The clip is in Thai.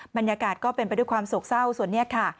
บรรยากาศก็เป็นไปด้วยความโศกเศร้าส่วนนี้ค่ะ